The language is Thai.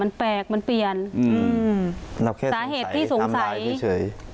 มันแปลกมันเปลี่ยนอืมเราแค่สาเหตุที่สงสัยเฉย